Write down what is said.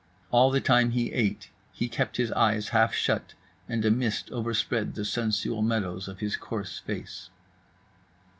All the time he ate he kept his eyes half shut; and a mist overspread the sensual meadows of his coarse face.